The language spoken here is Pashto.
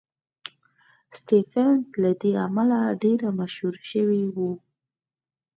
سټېفنس له دې امله ډېر مشهور شوی و